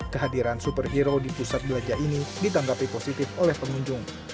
kehadiran superhero di pusat belanja ini ditanggapi positif oleh pengunjung